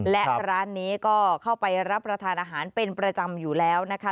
และร้านนี้ก็เข้าไปรับประทานอาหารเป็นประจำอยู่แล้วนะคะ